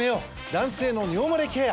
男性の尿モレケア。